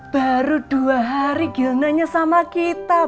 baru dua hari gill nanya sama kita